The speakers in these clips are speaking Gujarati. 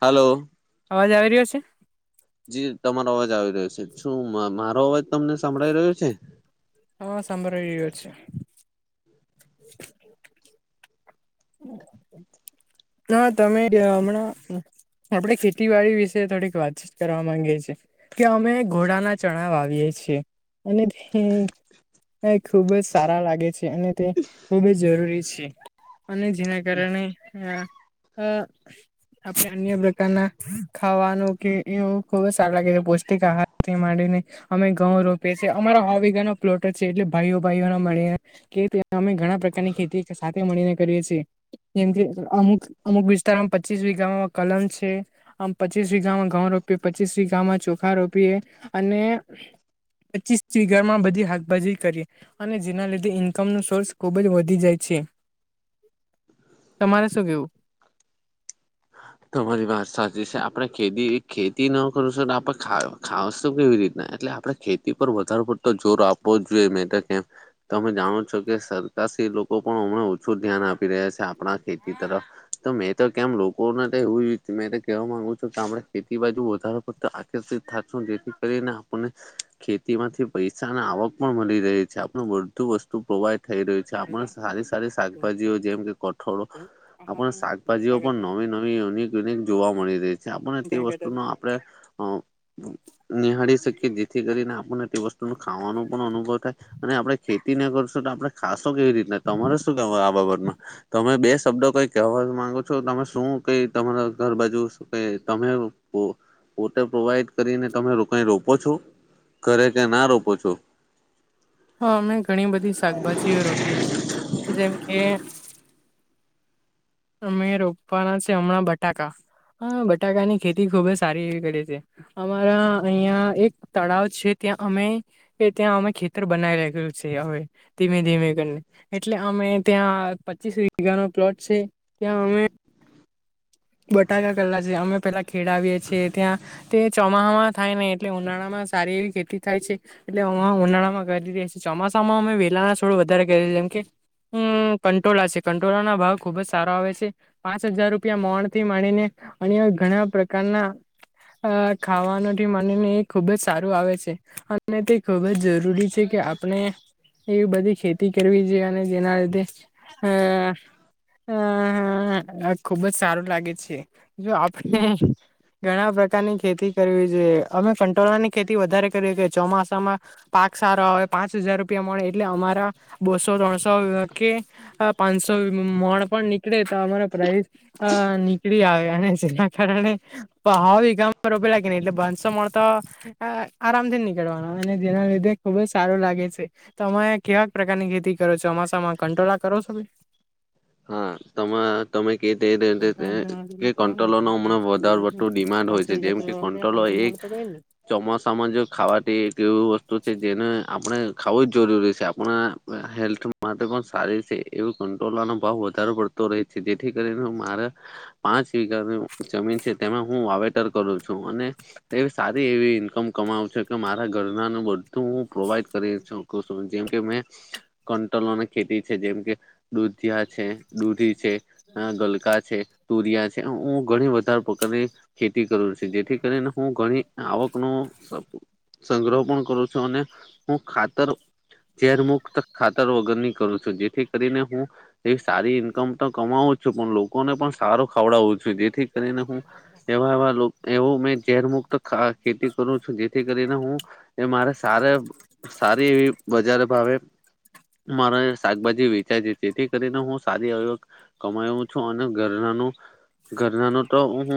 હલોલો અવાજ આવી રહ્યો છે જી તમારો અવાજ આવી રહ્યો છે શું મારો અવાજ તમને સાંભળાઈ રહ્યો છે હા સંભર એ છે હ. હમ. [inaudible] હ તમે હમણાં આપડે ખેતીવાડી વિશે થોડીક વાતચીત કરવા માંગીએ છીએ. કે અમે ઘોડાના ચણા વાવીએ છીએ અને. એ ખૂબ જ સારા લાગે છે અને તે ખૂબ જ જરૂરી છે. અને જેના કારણે આ આ. આપણે અન્ય પ્રકારના ખાવાનું કે એ ખુબ જ સારા લાગે છે પૌષ્ટિક આહાર માંડીને. અમે ઘઉં રોપએ છીએ અમારો હ વિ ગા ન પ્લોટો છે એટલે ભાઈઓ ભાઈઓ ના મળ. કે અમે ઘણા પ્રકારની ખેતી સાથે મળીને કરીએ છીએ જેમ કે અમુક. અમુક વિસ્તારમાં પચીસ વિીઘામાં કલમ છે. આમ પચીસી ગામાં ઘઉં રોપીએ પચીસી ગામાં ચોખા રોપીએ અને. પચીસ સ્િગર માં બધી હાકભાજી કરી. અને જેના લીધે ઈન્કમ ન સોર્સ ખુબ જ વધી જાય છે. [inaudible] તમારે શું કેવું. તમારી વાત સાચી છે આપડે ખેતી ખેતી ન કરું છું તો આપડણે ખ ખાશ તો કેવી રીતના એટલે આપણે. ખેતી પર વધારે પડતો જોર આપવો જ જોઈએ મે કે. તમે જાણો છો કે સરકાર લોકો પણ હમણાં ઓછું ધ્યાન આપી રહ્યા છે આપણા ખેતી તરફ. તો મેં તો કેમ લોકોને એવું મે કેવા માંગુ છું કે આપ ખેતી બાજુ વધો પડતો. કે થાકો જેથી કરી ના. આપને ખેતી માંથી પૈસાની આવક પણ મળી રહી છે આપણ બધુ વસ્તુ પ્રોવાઈડ થઈ રહ્યું છે. આપણે સારી સારી શાકભાજીઓ જેમ કે કઠોળો આપણે શાકભાજીઓ પણ. નવી નવી અનેક જોવા મળી રહી છે આપને તે વસ્તુ ન આપણે. નિહાળી શકીએ જેથી કરીને આપણને તે વસ્તુ ન ખાવાનો પણ અનુભવ થાય. અને આપડણે ખેતી ના કરશું તો આપડણે ખાસો કેવી રીતના તમારે શું કહેવાય આ બાબતમાં. તમે બે શબ્દો કઈ કવા માંગો છો તમે. શું કઈ તમારા ઘર બાજુ ક તમે. પોતે પ્રોવાઈડ કરીને તમે રોકાઈ રોપો છો ઘરે કે ના રોપો છો. હા અમે ઘણી બધી શાકભાજીઓ રોપીએ છીએ જેમકે. અમે રોપવાના છે હમણાં બટાકા બટાકાની ખેતી ખુબ જ સારી એવી કરી છ છેએ. અમારા અહિયાં એક તળાવ છે ત્યાં અમે. એ ત્યાં અમે ખેતર બનાવી રહું છે હવે. ધીમે ધીમે કરીને એટલે અમે ત્યાં પચીસ વીઘા નો પ્લોટ છે ત્યાં અમે. બટાકા કલા છે અમે પેલા ખેડાવીએ છીએ ત્યાં. તે ચોમાહમાં થાય નહીં એટલે ઉનાળામાં સારી એવી ખેતી થાય છે. એટલે અ ઉનાળામાં કરી રહ્યાી ચોમાસામાં અમે વેલા છોડ વધારે કરી છેમ કે. હમ કંટોળા છે કંટોળા ના ભાવ ખુબ જ સારો આવે છે પાંચ હજાર રૂપિયા મોણ. થી માણીને અ ઘણા પ્રકારના. અ ખાવાનો થી મનેને એ ખૂબ જ સારું આવે છે અને તે ખૂબ જ જરૂરી છે કે. આપણે એવી બધી ખેતી કરવી જોઈએ અને જેના લીધે અ. હ હા ખુબજ સારું લાગે છે જો આપ. ઘણા પ્રકારની ખેતી કરવી છે અમે ફંટોળાની ખેતી વધારે કરી કે ચોમાસામાં. પાક સારા આવે પાંચ હજાર રૂપિયા મળે એટલે અમારા બસો ત્રણસો કે. હ પાંચસો મણ પણ નીકળે તો અમારે પ્રઇસ. અ નીકળી આવ્યા અને જેના કારણે. હાવ ગામમાં રોપે લાગે ને એટલે ભસો મળતો. આરામથી નીકળવાનો અને જેના લીધે ખુબ જ સારું લાગે છે. તમે કેવા પ્રકારની ખેતી કરો છો અમાસામાં કંટોળા કરો છો ભાઈ. હા તમે. તમે કે તે કે [unintelligible] કંટ્રોલો ન હમણાં વધારે પડતું ડિમાન્ડ હોય છે જેમ કે કંટ્રોલો એક પને [unintelligible] ચોમાસામાં જે ખાવાતી એક એવીું વસ્તુ છે જેને આપણે ખાવું જ જરૂરી છે આપણે હેલ્થ માટે પણ સારી છે એવી કંટોલાનો ભાવ વધ વધારે પડતો રહે છે જેથી કરીને હું મારા પાંચ વીઘાનુ જમીન છે તેમાં હું વાવેતર કરું છું અને એવી સારી એવી ઈન્કમ કમાવ છે કે મારા ઘરનાનુ બ [unintelligible] હું પ્રોવાઈડ કરી શકું છું જેમ કે મેં કંટોલોની ખેતી છે જેમ કે દુધિયા છે દૂધી છે હા ગલકા છે. તુરિયા છે હું ઘણી વધારે પ્રકારની ખેતી કરું છ જેથી કરીને હું ઘણી આવકનો સંગ્રહ પણ કરું છું અને હું ખાતર ઝેર મુક્ત ખાતર વગરની કરું છું જેથી કરીને હું એ સારી ઈન્કમ તો કમાવું છું પણ લોકોને પણ સારું ખવડાવું છું જેથી કરીને હું એવા એવા એવું મેં ઝેર મુક્ત ખેતી કરું છું જેથી કરીને હું એ મારે સારે સારી એવી બજાર ભાવે મારે શાકભાજી વેચાય છે તેથી કરીને હું સારી આવક કમાવું છું અને ઘરનાનું ઘરનાનું તો હું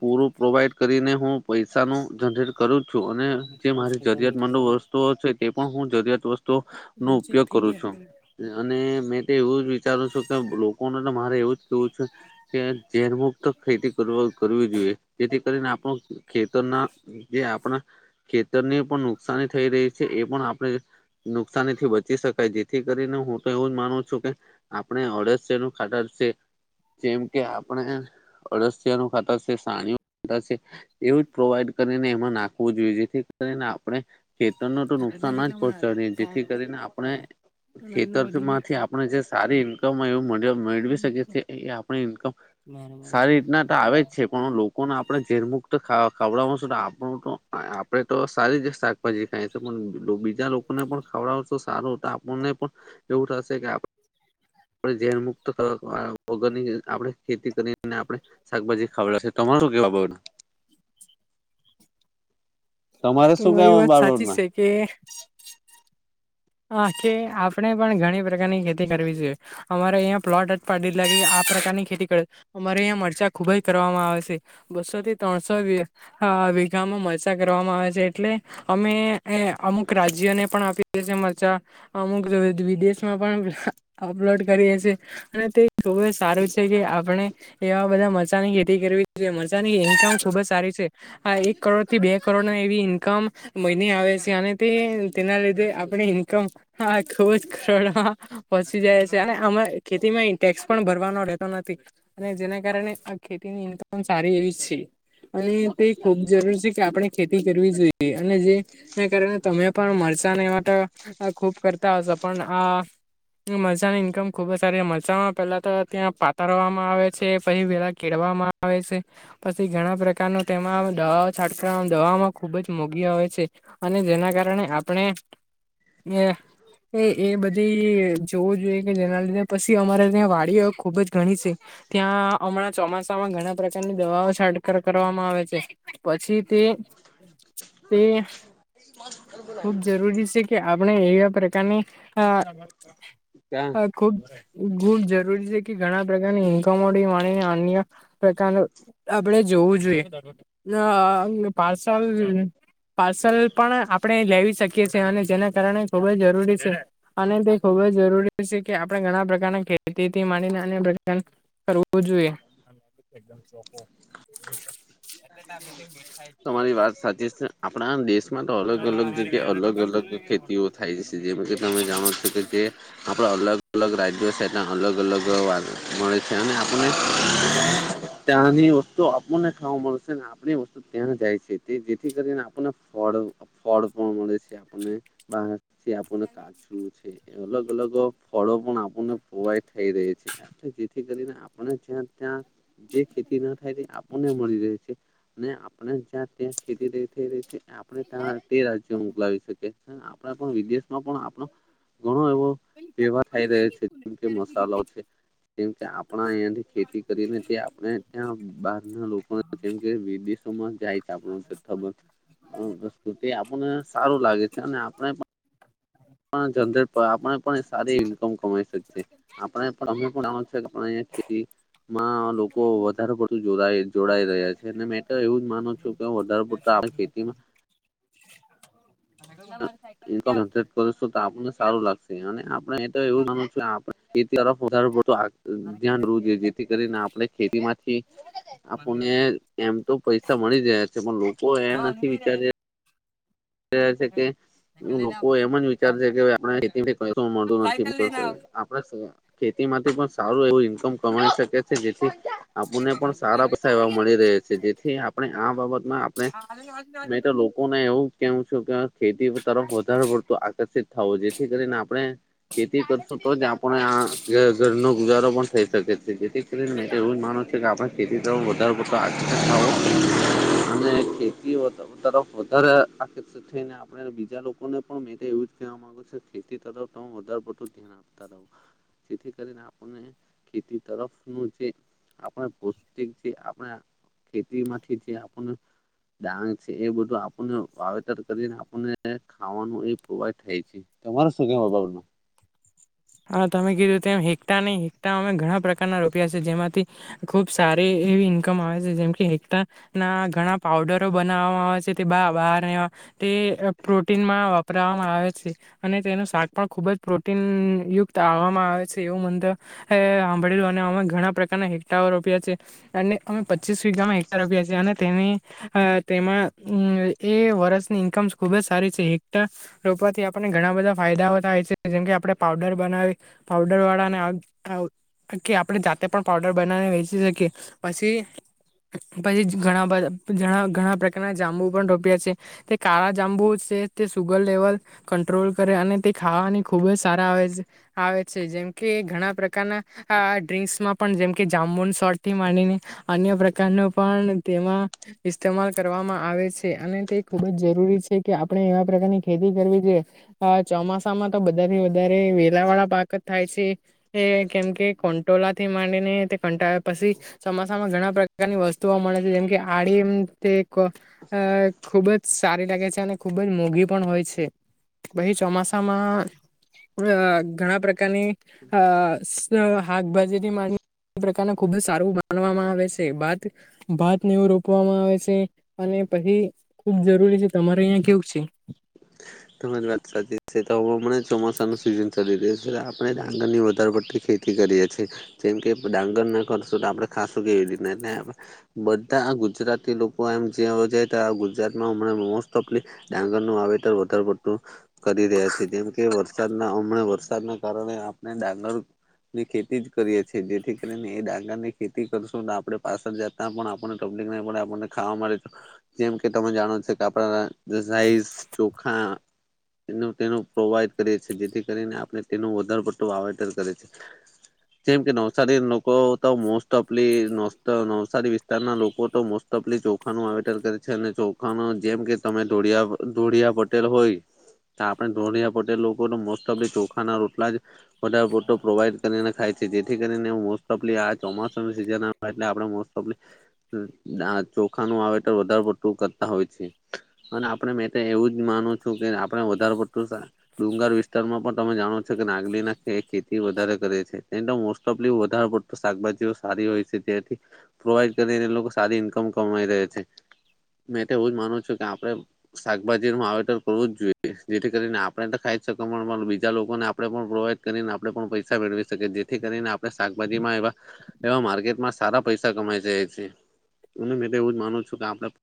પૂરું પ્રોવાઈડ કરીને હું પૈસાનું જનરેટ કરું જ છું અને જે મારી પાંચસો કમી જરૂરિયાત થઈ મંદો વત ગયું. [unintelligible] એ તો છે પણ હું જરૂરિયાત વસ્તુ હ શ થી જ [unintelligible] [inaudible] અને મેં તો એવું જ વિચારું છું કે લોકોને તો મારે એવું જ કેવું છે. કે ઝેર મુુક્ત ખેતી [unintelligible] કરવી જોઈએ જેથી કરીને આપણ ખેતરના જે આપણા ખેતરને પણ નુકસાની થઈ રહી છે એ પણ આપણે નુકસાની થી બચી શકાય જેથી કરીને હું તો એવું જ માનું છું કે આપણે અળસિયાનું ખાતર છે જેમ કે આપણે અળસિયા નું ખાતર છે, સાળિયુ ખાતર છે. એવું જ પ્રોવાઈડ કરીને એમાં નાખવું જોઈએ જેથી કરીને આપણે ખેતરનો તો ઘરના નુકસાન ના જ કેટલા પહોંચાડી બનાવેલા જેથી કરીને આપણે ત્રણ અને ઘરના વધી ખેતરમાંથી ગયા. આપણે જે સારી ઇન્કમ [unintelligible] મેળવી બરાબર. શકી આપ ઇન્કમ સારી [unintelligible] રીતના આવે જ છે પણ લોકોને આપણે ઝેર મુક્ત ખવડાવશુ છ આપણું તો આપણેે તો સારી જ શાકભાજી ખાયે છે. પણ બીજા લોકોને પણ ખાવડાવશુ તો સારું આપણને પણ એવું થશે કે આપણે ઝેર મુક્ત ઓગિક [unintelligible] આપણે ખેતી કરીને આપડણે શાકભાજી ખવાડ તમારું કેવા [unintelligible] બ એ તમારે શું તમારી કેવા વાત સાચી બાબતમાં છે કે હા કે આપણેે પણ ઘણી પ્રકારની ખેતી કરવી જોઈએ. અમારે અહીં પ્લોટ જ પાડી [unintelligible] [inaudible] લાગે આ પ્રકારની ખેતી કરે અમારે અહીંયા મરચા ખુબ જ કરવામાં આવે છે બસો થી ત્રણસો હા વિઘામાં મરચા કરવામાં આવે છે એટલે અમે એ અમુક રાજ્યને પણ આપીએ છે [inaudible] અમુક વિદેશમાં પણ [unintelligible] અપલોડ કરીએ છીએ. અને તે ખુબ જ સારું છે કે આપણે એવા બધા મરચાની ખેતી કરવી જોઈએ મરચાની [inaudible] ખુબ જ સારી છે. આ એક કરોડથી બે કરોડ એવી ઈન્કમ મહિને આવે છે અને તે તેના લીધે આપણે ઇન્કમ ખુબ જ કરડમાં પહોંચી જાય છે અને આમાં ખેતીમાં ટેક્સ પણ ભરવાનો રહેતો નથી. અને જેના કારણે આ ખેતીની ઇન્કમ સારી એવી છે. અને તે ખુબ જરૂરી છે કે આપણે ખેતી કરવી જોઈએ અને જેને કારણે તમે પણ મરચાને એવા ત હ ખૂબ કરતા હશે પણ આ મરસાાની ઈન્કમ ખુબ જ સારી મરસાામાં પેલા તો ત્યાં પાતરવામાં આવે છે, પછી વેલા કેડવામાં આવે આવે છે. પછી ઘણા પ્રકારનો તેમાં દવા છાંટક દવામાં ખુબ જ મોઘી આવે છે. અને જેના કારણે આપણે. [inaudible] એ એ બધી જોવું જોઈએ કે જેના લીધે પછી અમારે ત્યાં વાડીઓ ખુબ જ ઘણી છે. ત્યાં હમણાં ચોમાસામાં ઘણા પ્રકારની દવાઓ છાટક કરવામાં આવે છે. પછી તે તે [inaudible] રી છે કે આપણે એવા પ્રકારની. ક્યા? આ ખુબ ખૂબ જરૂરી છે, કે ઘણા પ્રકારની ઇન્કમોડી માણીને અન્ય પ્રકારનું. આપડે જોવું જોઈએ. અ પાર્સલ પાર્સલ પણ આપણે લેવી શકીએ છેએ અને જેના કારણે ખુબ જ જરૂરી છે. અને તે ખુબ જ જરૂરી છે, કે આપણે ઘણા પ્રકારના ખેતીથી માંડીને અને પ્રકાર કરવુ જોઈએ. તમારી વાત સાચી છે, આપણા દેશ મા તો અલગ અલગ જગ્યા અલગ અલગ ખેતીઓ થાય છે, જેમાં કે તમે જાણો છો કે તે આપણા અલગ અલગ રાજ્યો છે, એ અલગ અલગ મળે છે અને આપને [inaudible] ત્યાંની વસ્તુ આપણને ખાવા મળશે ને આપણી વસ ત્યાં જાય છે, તે જેથી કરીને આપણને ફળ ફળ પણ મળે છે. બાથી આપણને કાચું છે, અલગ અલગ ફળો પણ આપ પ્રોવાઈડ થઈ રહી છે, જેથી કરીને આપણે જ્યાં ત્યાં જે ખેતી ના થાય તે આપણને મળી રહે છે, અને આપણે જ્યાં ત્યાં ખેતી થ રહી છે, આપણે ત્યાં તેર મોકલાવી શકી છે. આપણે પણ વિદેશમાં પણ આપણો ઘણો એવો એવા થાય રહ છે, જેમ કે મસાલો છે. કેમ કે આપણા અહિયાયાથી ખેતી કરીને તે આપણે ત્યાં બહાર ના લોકોને જેમકે વિદ જાય છે, આપસ્તિ આપણને સારું લાગે છે, અને આપણે પણ જનરેટ આપણે સારી ઇમનકમ કમાઈ શકશે આપણે અમે જા કે ખે માં લોકો વધારે પડતું જો જોડાઈ રહ્યા છે, અને મેં તો એવું જ માનુ છું. વધારે પડતા ખેતીમાં [unintelligible] જરેટ કરશું તો આપણને સારું લાગશે અને આપણે એ તો એવું માનું છું. આપ ખેતી તરફ વધારેું ધ્યાન રવું જોઈએ જેથી કરીને આપણે ખેતી માંથી આપણને એમ તો પૈસા મળી રયા છે, પણ લોકો એ નથી વિચાર કે લોકો એમ જ વિચાર છે, કે આપ ખેતી મળતું નથી. ખેતી માંથી પણ સારું એવું ઈન્કમ કમાવી શકે છે. જેથી આપણને પણ સારા પસા એવા મળી રહે છે, જેથી આપણે આ બાબતમાં આપણે રાજનાથ મેં તો લોકોને એવું કેવું છે, કે ખેતી તરફ વધારે પડતું આકર્ષિત થવું જેથી કરીને આપણે ખેતી કરશું તો જ આપણે આ ઘર નો ગુજારો પણ થઈ શકે છે, જેથી એવું માનો છે કે આપણે ખેતી તરફ વધ આ હો અને ખેતી તર વધારે આકર્ષિત થઈને આપડ બીજા લોકોને પણ એવું જ કહે ખેતી તરફ તો હ વધારે [unintelligible] ધ્યાન આપતા રહું જેથી કરીને આપણને. ખેતી તરફનું જે આપણે પૌષિક જે આપણે ખેતી માંથી જે [unintelligible] આપને ડાંગ છે, એ બધું આપને વાવેતર કરીને આપણને ખાવાનું એ પ્રોવાઈડ થાય છે તમાર શું કેવુ આ બાબત માં? હા તમે કીધું ત એમ હેક્ટા નહીં હેક્ટા અમે ઘણા પ્રકારના રોપ્યા છે જેમાંથી ખુબ સારી એવી ઈન્કમ આવે છે જેમ કે એકતા ના ઘણા પાવડરો બનાવવામાં આવે છે તે બા બહાર તે પ્રોટીનમાં વપરાવામાં આવે છે. અને તેનું શાક પણ ખુબ જ પ્રોટીન યુક્ત આવવામાં આવે છે. એવું મેતો સાંભળેલું અને અમે ઘણા પ્રકારના હેક્ટા રોપ્યા છે. અને અમે પચીસ વીઘામાં હેકટા રોફ્યા છીએ અને તેની તેમાં એ વર્ષની ઇન્ક્મ ખુબ જ સારી છે. હેકટા રોપવાથી આપણને ઘણા બધા ફાયદાઓ થાય છે જેમ કે આપણે પાવડર બનાવી પાવડર વાળા ને આગ કે આપણે જાતે પણ પાવડર બનાવીને વેચી શકીએ પછી પછી ઘણા ઘણા પ્રકારના જાંબુ પણ રોપ્યા છે. એ કાળા જાંબુ છે તે સુગર લેવલ કંટ્રોલ કરે અને તે ખાવાની ખૂબ જ સારા આવે આવે છે જેમ કે ઘણા પ્રકારના આ ડ્રિંક્સ માં પણ જેમ કે જામુન સોટ્સ થી માંડીને અન્ય પ્રકાર ન પણ તેમાં ઇસ્તેમાલ કરવામાં આવે છે. અને તે ખુબ જ જરૂરી છે કે, આપણે એવા પ્રકારની ખેતી કરવી જોઈએ. હા ચોમાસામાં તો બધાથી વધારે વેલા વાળા પાક જ થાય છે. એ કેમ કે કંટોલા થી માંડીને તે કંટાળ્યા પછી ચોમાસામાં ઘણા પ્રકારની વસ્તુઓ મળે છે જેમ કે આડી એમ તે ખૂબ જ સારી લાગે છે અને ખૂબ જ મોંઘી પણ હોય છે પછી ચોમાસામાં,, - ઘણા પ્રકારની અ સ શાકભાજીની પ્રકાર ખુબ જ સારું માનવામાં આવે છે બાત ભાતને એવું રોપવામાં આવે છે. અને પછી ખુબ જરૂરી છે. તમારે અહિં કેવું છે? તમારી વાત સાચી છે તો હવે મને ચોમાસા નું સિઝન ચાલી રહ્યું છે આપણે ડાંગર ની વધારે પડતી ખે તી કરીએ છીએ જેમ કે ડાંગર ના કરશું તો આપણે ખાાસું કેવી રીતના એટલે આપણે બધા ગુજરાતી લોકો એમ જે જાય તો ગુજરાતમાં હમણાં મોસ્ટઓફલી ડાંગર નું વાવેતર વધ વધુ કરી રહ્યા છે જેમ કે વરસાદના હમણા વરસાદના કારણે આપણે ડાઃગર ની ખેતી જ કરીએ છીએ જેથી કરીને એ ડંગર ની ખેતી કરશું આપડે પાછળ ત્યા પણ આપણને તકલીફ નહી પડે આપણને ખાવા મળે. જેમ કે તમે જાણો છો કે આપડા સાઈઝ ચોખા. તેનું પ્રોવાઈડ કરીએ છીએ જેથી કરીને આપણે તેનું વધારે પડતું વાવેતર કરે છે. જેમ કે નવસારી લોકો તો મોસ્ટ ઓફલી નવસારી વિસ્તારના લોકો તો મોસ્ટ. [unintelligible] ચોખા નું વાવેટર કરે છે, અને ચોખા મા જેમ કે તોળિયા. પટેલ હોય આપણે ધન પટેલ લોકો મોસ્ટ ઓફ ધ ચોખા ના રોટલા. બધા પ્રોવાઈડ કરીને ખાય છે, જેથી કરીને મોસ્ટઓફલી ચોમાસાની સીઝન. એટલે આપડે મોસ્ટઓફલી. ચોખા નું આવે તો વધારે પડતું કરતા હોય છે, અને આપણે મેં એવું જ. માનું છું, કે આપડે વધારે પડતું. ડુંગર વિસ્તારમાં પણ તમે જાણો છો કે નાંગલી ના ખેતી વધારે કરે મોસ્ટઓફલી વધારે. શાકભાજીઓ સારી હોય છે, તેથી પ્રોવાઈડ કરીને લોકો સારી ઇન્કમ કમાઈ રહે છે. મેં તો એવું જ માનું છું કે આપડે શાકભાજી. વાવેતર કરવું જ જોઈએ જેથી કરીને આપણે તો ખાઈ શકી બીજા લોકોને આપણેે પણ પ્રોવાઈડ. કરીને આપણેે પણ પૈસા મેળવી શકીએ જેથી કરીને આપણે શાકભાજીમાં એવા. એવા માર્કેટમાં સારા પૈસા કમાઈ જાય છે, અને મે તો એવું જ માનું છું કે આપડે.